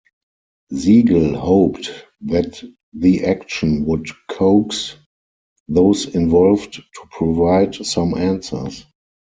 Siegel hoped that the action would coax those involved to provide some answers.